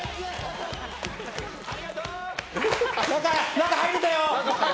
中、入れたよ！